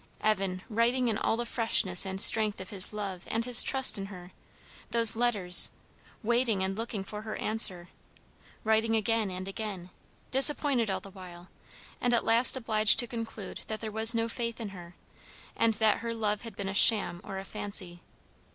Evan, writing in all the freshness and strength of his love and his trust in her, those letters; waiting and looking for her answer; writing again and again; disappointed all the while; and at last obliged to conclude that there was no faith in her, and that her love had been a sham or a fancy.